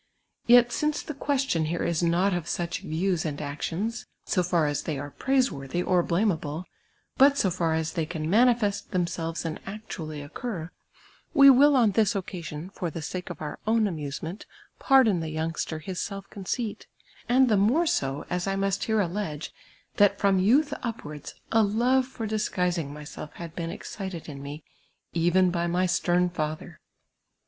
Yet since the ([uestion here is not of such views and actions, so far as they are ])raiseworthy or blameable, but so far as they can manifest themselves and actually occur, we will on this occasion, for the sake of oui* own amusement, pardon the youngster his self conceit ; and the more so, as I must here allege, that from youth upwards, a love for disguising myself had been excited in mc even by my stern father.